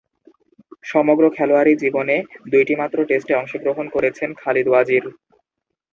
সমগ্র খেলোয়াড়ী জীবনে দুইটিমাত্র টেস্টে অংশগ্রহণ করেছেন খালিদ ওয়াজির।